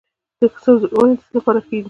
د سنځلو ونې د څه لپاره ښې دي؟